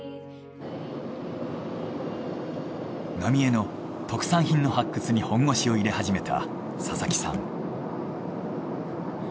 浪江の特産品の発掘に本腰を入れ始めた佐々木さん。